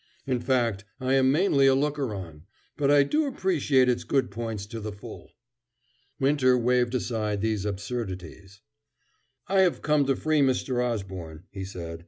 "In fact, I am mainly a looker on, but I do appreciate its good points to the full." Winter waved aside these absurdities. "I have come to free Mr. Osborne," he said.